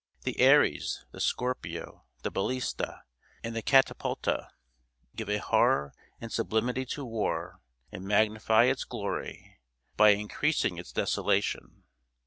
The aries, the scorpio, the balista, and the catapulta, give a horror and sublimity to war, and magnify its glory, by increasing its desolation.